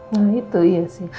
nah itu iya sih